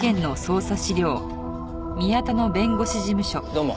どうも。